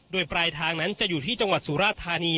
โดยปลายทางนั้นจะอยู่ที่จังหวัดสุราธานี